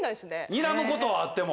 にらむことはあっても？